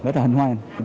rất là hành hoàng